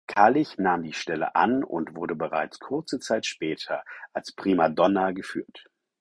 Kalich nahm die Stelle an und wurde bereits kurze Zeit später als Primadonna geführt.